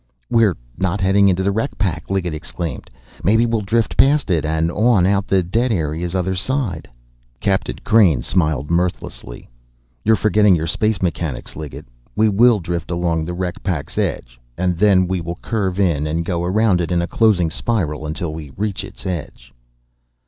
"We're not heading into the wreck pack!" Liggett exclaimed. "Maybe we'll drift past it, and on out the dead area's other side!" Captain Crain smiled mirthlessly. "You're forgetting your space mechanics, Liggett. We will drift along the wreck pack's edge, and then will curve in and go round it in a closing spiral until we reach its edge."